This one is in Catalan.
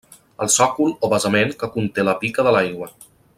El sòcol o basament que conté la pica de l'aigua.